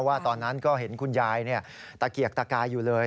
ว่าตอนนั้นก็เห็นคุณยายตะเกียกตะกายอยู่เลย